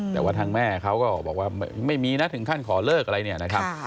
แต่ว่าทางแม่เขาก็บอกว่าไม่มีนะถึงขั้นขอเลิกอะไรเนี่ยนะครับ